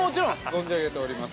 存じ上げております。